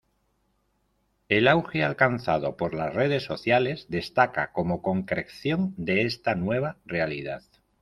El auge alcanzado por las redes sociales destaca como concreción de esta nueva realidad.